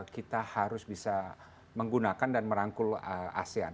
kita harus bisa menggunakan dan merangkul asean